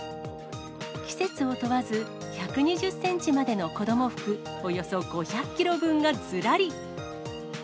季節を問わず、１２０センチまでの子ども服、およそ５００キロ分がずらり。